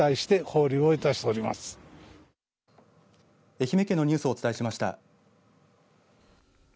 愛媛県のニュースをお伝えしました。